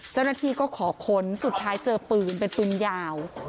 เจ้าหน้าที่ก็ขอค้นสุดท้ายเจอปืนเป็นปืนยาว